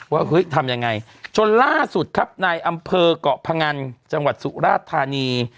ว่าเฮ้ยทำยังไงจนล่าสุดครับนายอำเภอกเกาะพงันจังหวัดสุราชธานี